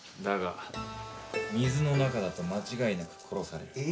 だが水の中だと間違いなく殺される。